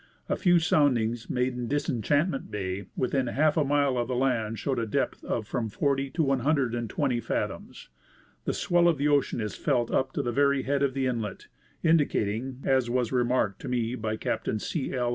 A few soundings made in Disenchantment bay within half a mile of the land showed a depth of from 40 to 120 fathoms. The swell of the ocean is felt up to the very head of the inlet, indi cating, as was remarked to me by Captain C. L.